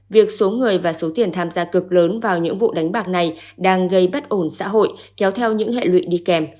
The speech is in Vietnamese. việc số người và số tiền tham gia cực lớn vào những vụ đánh bạc này đang gây bất ổn xã hội kéo theo những hệ lụy đi kèm